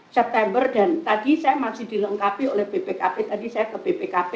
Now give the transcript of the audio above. september dan tadi saya masih dilengkapi oleh bpkp